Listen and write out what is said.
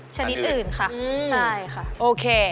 ชนิดอื่นค่ะ